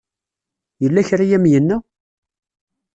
Yella kra ay am-yenna?